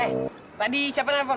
eh tadi siapa yang telepon